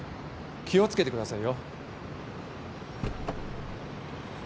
気を付けてくださいよ。